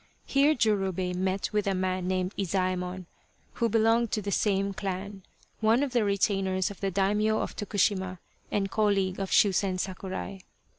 Here Jurobei met with a man named Izsemon who belonged to the same clan one of the retainers of the Daimio of Tokushima and colleague of Shusen Sakurai.